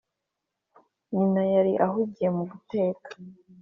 nyina yari ahugiye mu guteka;